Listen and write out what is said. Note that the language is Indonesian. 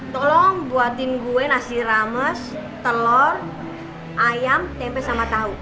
tolong buatin gue nasi rames telur ayam tempe sama tahu